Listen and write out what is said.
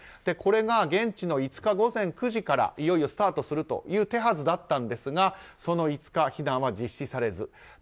これが現地の５日午前からいよいよスタートするという手はずだったんですがその５日、避難は実施されず。